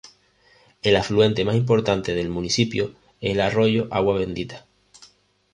El afluente más importante del municipio es el arroyo Agua Bendita.